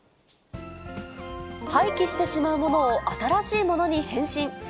廃棄してしまうものを新しいものに変身。